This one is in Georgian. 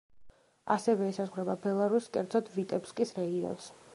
ასევე, ესაზღვრება ბელარუსს, კერძოდ ვიტებსკის რეგიონს.